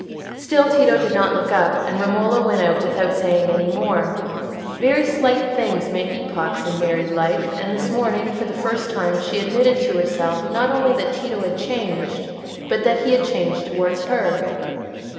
Still Tito did not look up, and Romola went out without saying any more. Very slight things make epochs in married life, and this morning for the first time she admitted to herself not only that Tito had changed, but that he had changed towards her.